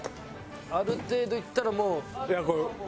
ある程度いったらもう。